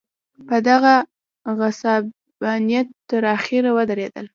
په دغه غصبانیت تر اخره ودرېدل.